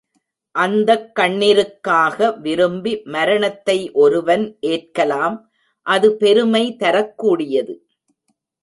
அந்தக் கண்ணிருக்காக விரும்பி மரணத்தை ஒருவன் ஏற்கலாம் அது பெருமை தரக்கூடியது.